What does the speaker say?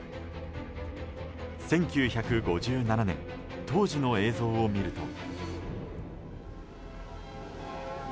１９５７年当時の映像を見ると。